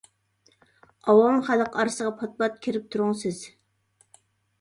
ئاۋام خەلق ئارىسىغا، پات-پات كىرىپ تۇرۇڭ سىز.